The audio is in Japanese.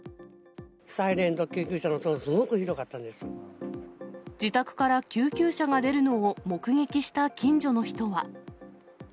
サイレンと救急車の音がすご自宅から救急車が出るのを目撃した近所の人は。